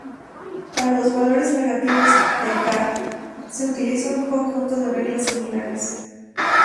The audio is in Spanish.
Para valores negativos de "k" se utiliza un conjunto de reglas similar.